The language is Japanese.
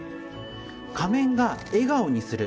仮面が笑顔にする。